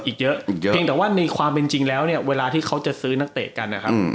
เพียงเต่าว่าในความจริงแล้วเนี่ยเวลาที่เค้าจะซื้นนักเตะกันนะครับ